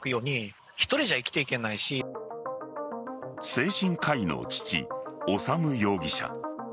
精神科医の父・修容疑者。